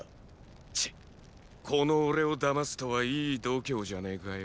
チッこの俺をだますとはいい度胸じゃねェかよ